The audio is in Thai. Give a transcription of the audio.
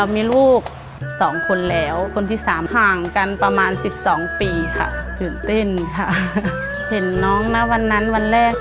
แม่ไม่ไหว